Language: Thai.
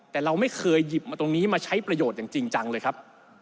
แต่เราไม่เคยหยิบมาตรงนี้มาใช้ประโยชน์อย่างจริงจังเลยครับ